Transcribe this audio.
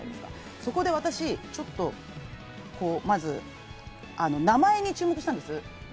そこで私ちょっと、まず名前に注目したんです。